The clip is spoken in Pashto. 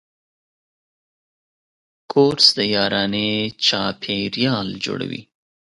کورس د یارانې چاپېریال جوړوي.